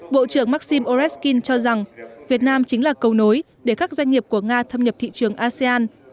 bộ trưởng maxim oreskin cho rằng việt nam chính là cầu nối để các doanh nghiệp của nga thâm nhập thị trường asean